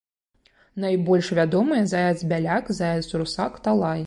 Найбольш вядомыя заяц-бяляк, заяц-русак, талай.